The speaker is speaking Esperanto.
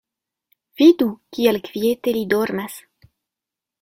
Vidu, kiel kviete li dormas.